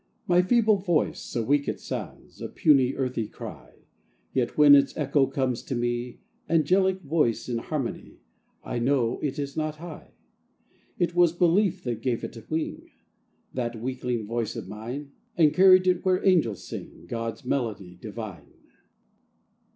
My feeble voice, so weak it sounds, A puny earthy cry, Yet when its echo comes to me, Angelic voice in harmony, I know it is not I. It was belief that gave it wing, That weakling voice of mine, And carried it where angels sing God's Melody Divine.